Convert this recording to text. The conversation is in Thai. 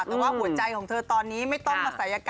แต่ว่าหัวใจของเธอตอนนี้ไม่ต้องมาศัยกรรม